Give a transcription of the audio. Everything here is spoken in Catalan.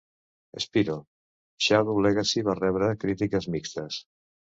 "Spyro: Shadow Legacy" va rebre crítiques mixtes.